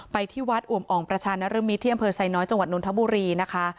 ที่วัดอวมอ่องประชานรมิตรที่อำเภอไซน้อยจังหวัดนทบุรีนะคะ